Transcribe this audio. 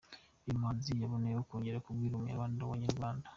Uyu muhanzi yaboneyeho kongera kubwira umunyamakuru wa Inyarwanda.